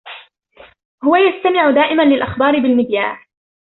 هو يستمع دائما للأخبار بالمذياع.